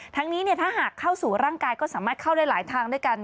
ทั้งนี้ถ้าหากเข้าสู่ร่างกายก็สามารถเข้าได้หลายทางด้วยกัน